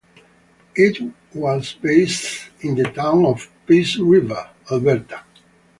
It was based in the town of Peace River, Alberta.